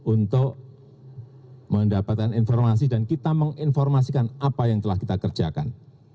untuk mendapatkan informasi dan kita menginformasikan apa yang telah kita kerjakan